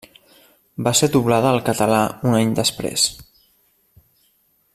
Va ser doblada al català un any després.